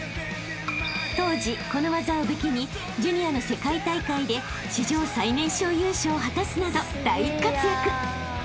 ［当時この技を武器にジュニアの世界大会で史上最年少優勝を果たすなど大活躍！］